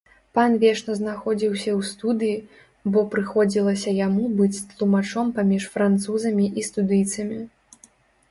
Пан вечна знаходзіўся ў студыі, бо прыходзілася яму быць тлумачом паміж французамі і студыйцамі.